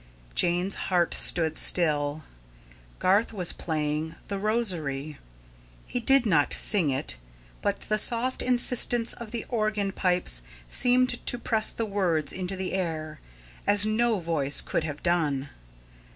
Jane's heart stood still. Garth was playing "The Rosary." He did not sing it; but the soft insistence of the organ pipes seemed to press the words into the air, as no voice could have done.